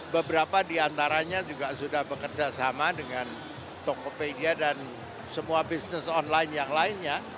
beberapa di antaranya juga sudah bekerja sama dengan tokopedia dan semua bisnis online yang lainnya